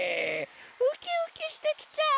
ウキウキしてきちゃう！